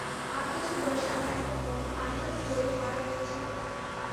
আট বছর বয়সে আমার একটা বোন পানিতে পড়ে মারা গিয়েছিল।